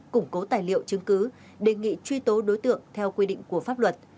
củng cố tài liệu chứng cứ đề nghị truy tố đối tượng theo quy định của pháp luật